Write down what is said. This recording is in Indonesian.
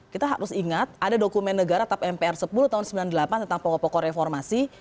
kita harus ingat ada dokumen negara tap mpr sepuluh tahun seribu sembilan ratus sembilan puluh delapan tentang pokok pokok reformasi